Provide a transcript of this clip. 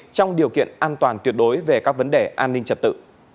trong điều kiện an toàn tuyệt đối về các vấn đề an ninh trật tự